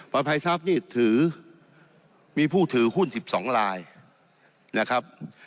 ภัยทรัพย์นี่ถือมีผู้ถือหุ้น๑๒ลายนะครับ